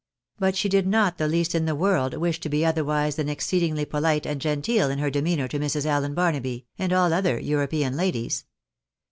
But she did not the least in the world wish to be otherwise than exceedingly polite and genteel in her demeanour to Mrs. Allen Barnaby, and all other European ladies.